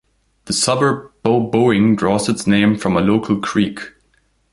The suburb Bow Bowing draws its name from a local creek.